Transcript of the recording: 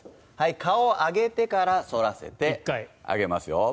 顔を上げてから反らせて１回上げますよ。